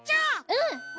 うん！